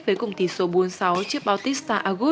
với cùng tỉ số bốn sáu trước bautista agut